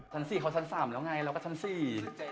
สี่เขาชั้นสามแล้วไงแล้วก็ชั้นสี่